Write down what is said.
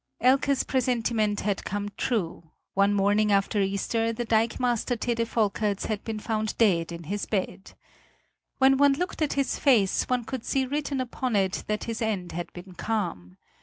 Elke's presentiment had come true; one morning after Easter the dikemaster Tede Volkerts had been found dead in his bed. When one looked at his face, one could see written upon it that his end had been calm.